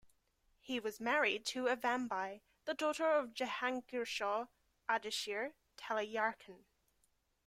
He was married to Avambai, the daughter of Jehangirshaw Ardeshir Taleyarkhan.